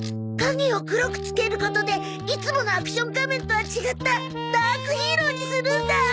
影を黒く付けることでいつものアクション仮面とは違ったダークヒーローにするんだ！